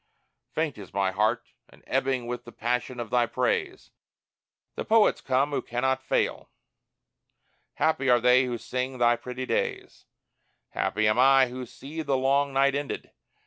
Faint is my heart, and ebbing with the passion of thy praise! The poets come who cannot fail; Happy are they who sing thy perfect days! Happy am I who see the long night ended.